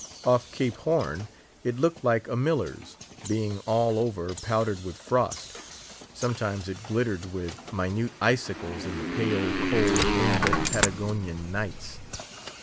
Off Cape Horn it looked like a miller's, being all over powdered with frost; sometimes it glittered with minute icicles in the pale, cold, moonlit Patagonian nights.